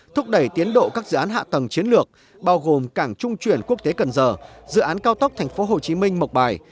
thúc đẩy tiến độ các dự án hạ tầng chiến lược bao gồm cảng trung chuyển quốc tế cần giờ dự án cao tốc tp hcm mộc bài